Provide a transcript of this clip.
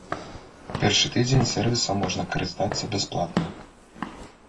Першы тыдзень сэрвісам можна карыстацца бясплатна.